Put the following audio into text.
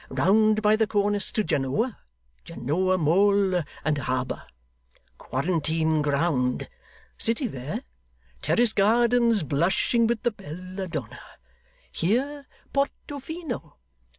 Round by the Cornice to Genoa. Genoa Mole and Harbour. Quarantine Ground. City there; terrace gardens blushing with the bella donna. Here, Porto Fino.